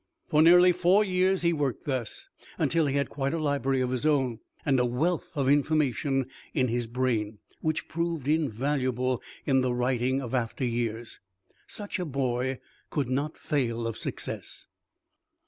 For nearly four years he worked thus, till he had quite a library of his own, and a wealth of information in his brain, which proved invaluable in the writing of after years. Such a boy could not fail of success.